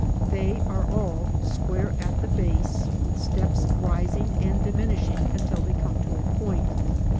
They are all square at the base, with steps rising and diminishing until they come to a point.